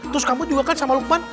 terus kamu juga kan sama lukman